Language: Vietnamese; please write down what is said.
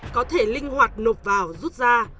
có thể linh hoạt nộp vào rút ra